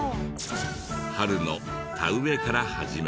春の田植えから始め。